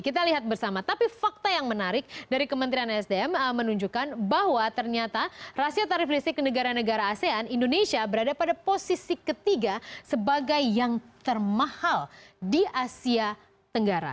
kita lihat bersama tapi fakta yang menarik dari kementerian sdm menunjukkan bahwa ternyata rasio tarif listrik negara negara asean indonesia berada pada posisi ketiga sebagai yang termahal di asia tenggara